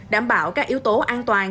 đảm bảo các yếu tố an toàn